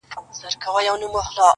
د انتظار خبري ډيري ښې دي~